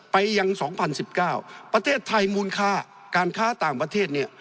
ไปยัง๒๐๑๙ประเทศไทยมูลค่าการค้าต่างประเทศเนี่ย